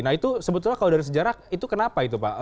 nah itu sebetulnya kalau dari sejarah itu kenapa itu pak